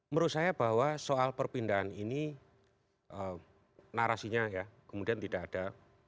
menurut saya bahwa soal perpindahan ini narasinya ya kemudian tidak ada